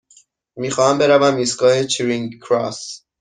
می خواهم بروم ایستگاه چرینگ کراس.